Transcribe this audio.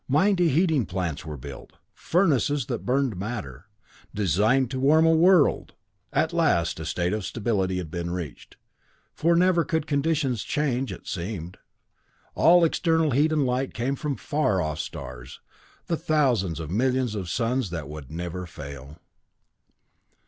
Mighty heating plants were built furnaces that burned matter, designed to warm a world! At last a state of stability had been reached, for never could conditions change it seemed. All external heat and light came from far off stars, the thousands of millions of suns that would never fail.